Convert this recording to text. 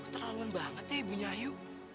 terlaluan banget ya ibu nyayu